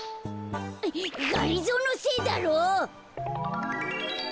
がりぞーのせいだろ！